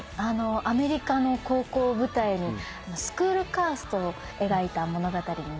アメリカの高校を舞台にスクールカーストを描いた物語になってまして。